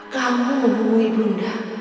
kamu memungui bunda